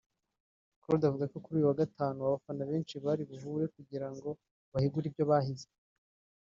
Claude avuga ko kuri uyu wa Gatanu abafana benshi bari buhure kugira ngo bahigure ibyo bahize